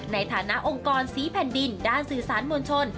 ในฐานะองค์กรสีแผ่นดินด้านสื่อสารมวลชน